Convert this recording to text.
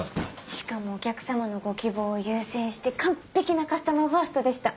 しかもお客様のご希望を優先して完璧なカスタマーファーストでした。